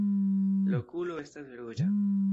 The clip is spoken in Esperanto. La okulo estas ruĝa.